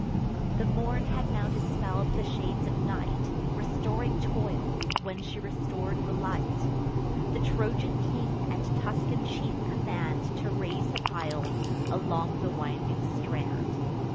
The morn had now dispell'd the shades of night, Restoring toils, when she restor'd the light. The Trojan king and Tuscan chief command To raise the piles along the winding strand.